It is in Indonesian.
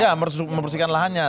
iya membersihkan lahannya